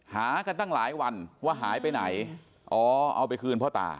หากันตั้งหลายวันว่าหายไปไหนอ๋อเอาไปคืนพ่อตา